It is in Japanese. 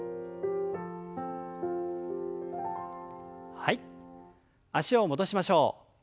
はい脚を戻しましょう。